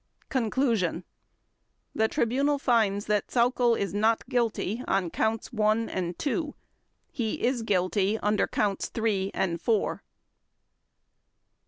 Conclusion The Tribunal finds that Sauckel is not guilty on Counts One and Two. He is guilty under Counts Three and Four.